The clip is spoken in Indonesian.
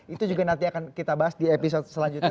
itu juga nanti akan kita bahas di episode selanjutnya